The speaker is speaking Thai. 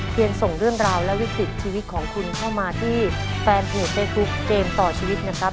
ส่งเรื่องราวและวิกฤตชีวิตของคุณเข้ามาที่แฟนเพจในทุกเกมต่อชีวิตนะครับ